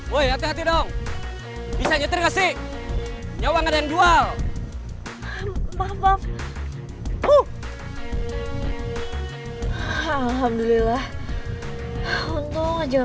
woi hati hati dong bisa nyetir gak sih nyawa gak ada yang dual